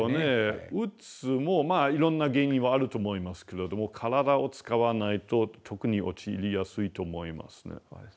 うつもいろんな原因はあると思いますけれども体を使わないと特に陥りやすいと思いますね。